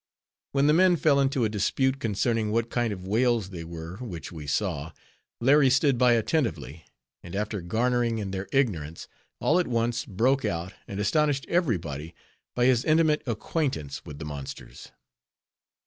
When the men fell into a dispute concerning what kind of whales they were which we saw, Larry stood by attentively, and after garnering in their ignorance, all at once broke out, and astonished every body by his intimate acquaintance with the monsters.